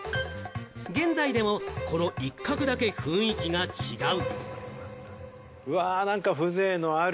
現在でも、この一角だけ雰囲気が違う。